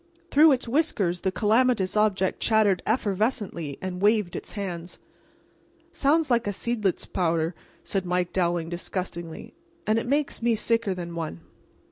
Through its whiskers the calamitous object chattered effervescently and waved its hands. "Sounds like a seidlitz powder," said Mike Dowling, disgustedly, "and it makes me sicker than one.